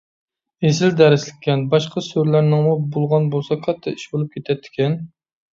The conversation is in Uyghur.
ئېسىل دەرسلىككەن. باشقا سۈرىلەرنىڭمۇ بولغان بولسا كاتتا ئىش بولۇپ كېتەتتىكەن!